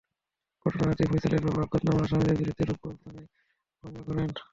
ঘটনার রাতেই ফয়সালের বাবা অজ্ঞাতনামা আসামিদের বিরুদ্ধে রূপগঞ্জ থানায় মামলা করেন।